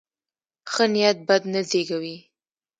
ښه نیت بد نه زېږوي.